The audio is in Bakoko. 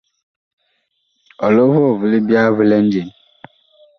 Ɔlɔ vɔɔ vi libyaa vi lɛ njen ?